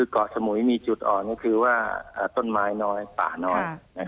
เกาะสมุยมีจุดอ่อนก็คือว่าต้นไม้น้อยป่าน้อย